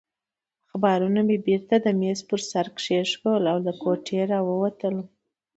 اخبارونه مې بېرته د مېز پر سر کېښودل او له کوټې راووتلم.